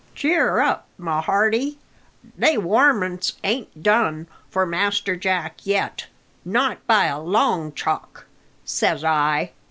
"Cheer up, my hearty! They warmints ain't done for Master Jack yet, not by a long chalk, says I.